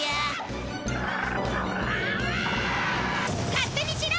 勝手にしろ！